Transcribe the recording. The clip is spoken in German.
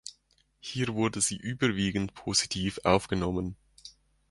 Hier wurde sie überwiegend positiv aufgenommen.